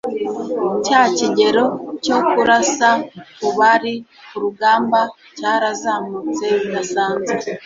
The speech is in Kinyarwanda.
cya kigero cyo kurasa ku bari ku rugamba cyarazamutse bidasanzwe.